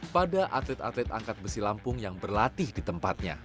pada atlet atlet angkat besi lampung yang berlatih di tempatnya